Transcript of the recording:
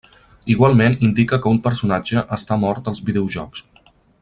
Igualment indica que un personatge està mort als videojocs.